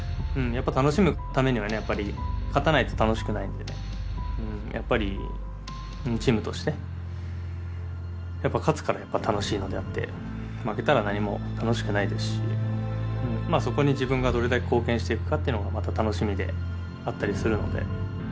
やっぱ楽しむためにはねやっぱりやっぱりチームとしてやっぱ勝つから楽しいのであって負けたら何も楽しくないですしそこに自分がどれだけ貢献していくかっていうのがまた楽しみであったりするので。